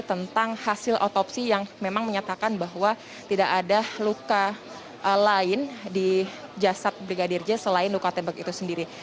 tentang hasil otopsi yang memang menyatakan bahwa tidak ada luka lain di jasad brigadir j selain luka tembak itu sendiri